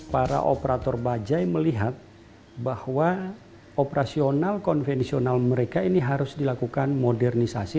para operator bajaj melihat bahwa operasional konvensional mereka ini harus dilakukan modernisasi